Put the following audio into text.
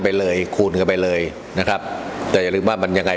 ไปเลยคูณกันไปเลยนะครับแต่อย่าลืมว่ามันยังไง